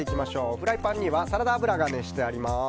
フライパンにはサラダ油が熱してあります。